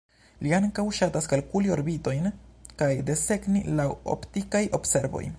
Li ankaŭ ŝatas kalkuli orbitojn kaj desegni laŭ optikaj observoj.